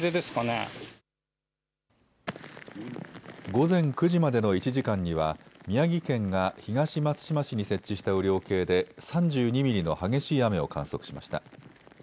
午前９時までの１時間には宮城県が東松島市に設置した雨量計で３２ミリの激しい雨を観測しました。